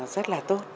rất là tốt